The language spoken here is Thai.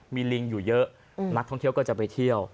มีลิงอยู่เยอะนักท่องเที่ยวก็จะไปเที่ยว